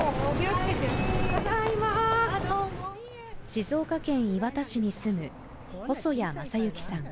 静岡県磐田市に住む細谷正行さん